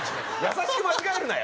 優しく間違えるなよ。